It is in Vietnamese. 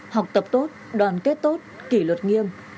học tập tốt đoàn kết tốt kỷ luật nghiêm